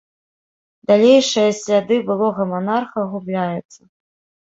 Далейшыя сляды былога манарха губляюцца.